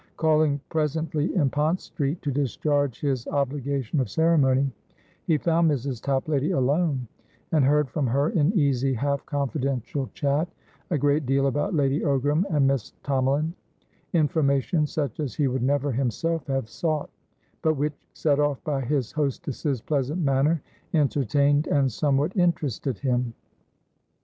Calling presently in Pont Street, to discharge his obligation of ceremony, he found Mrs. Toplady alone, and heard from her, in easy, half confidential chat, a great deal about Lady Ogram and Miss Tomalin, information such as he would never himself have sought, but which, set off by his hostess's pleasant manner, entertained and somewhat interested him.